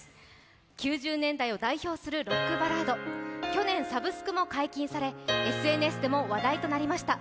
９０年代を代表するロックバラード、去年サブスクも解禁され、ＳＮＳでも話題となりました。